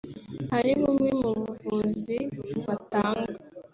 ari bumwe mu buvuzi batanga